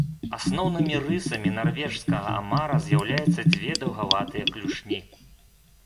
Асноўнымі рысамі нарвежскага амара з'яўляюцца дзве даўгаватыя клюшні.